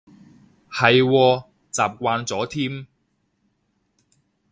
係喎，習慣咗添